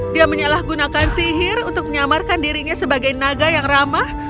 dia menyalahgunakan sihir untuk menyamarkan dirinya sebagai naga yang ramah